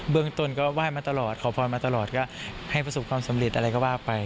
เมืองต้นก็ไหว้มาตลอดขอพรมาตลอดก็ให้ประสบความสำเร็จอะไรก็ว่าไป